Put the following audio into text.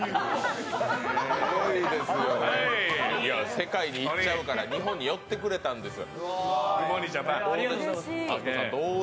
世界に行っちゃうから日本に寄ってくれたんですよ。